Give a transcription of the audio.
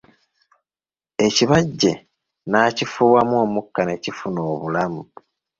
Ekibajje n'akifuuwamu omukka ne kifuna obulamu.